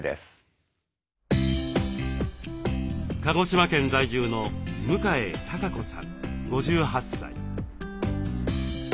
鹿児島県在住の向江貴子さん５８歳。